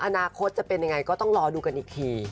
อนาคตจะเป็นยังไงก็ต้องรอดูกันอีกที